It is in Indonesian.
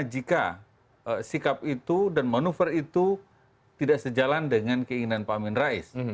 jika sikap itu dan manuver itu tidak sejalan dengan keinginan pak amin rais